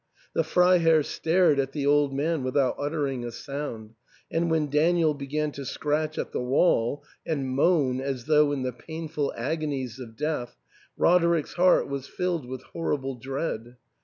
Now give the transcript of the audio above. The Freiherr stared at the old man without uttering a sound ; and when Daniel began to scratch at the wall, and moan as though in the painful agonies of death, Roderick's heart was filled with horrible dread.